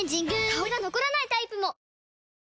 香りが残らないタイプも！